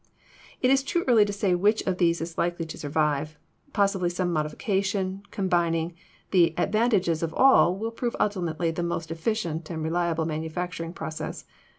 "It is too early to say which of these is likely to sur vive; possibly some modification combining the advan tages of all will prove ultimately the most efficient and re liable manufacturing process.